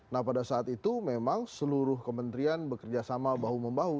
nah pada saat itu memang seluruh kementerian bekerja sama bahu membahu